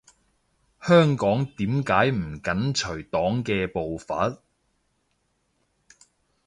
香港點解唔緊隨黨嘅步伐？